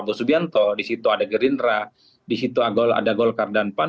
prabowo subianto di situ ada gerindra di situ ada golkar dan pan